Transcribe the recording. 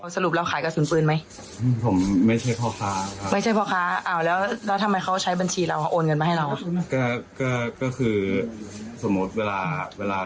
สั่งที่หนักอะไรอย่างนี้ครับ